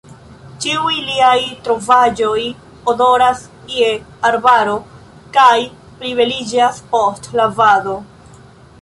Ĉiuj liaj trovaĵoj odoras je arbaro kaj plibeliĝas post lavado.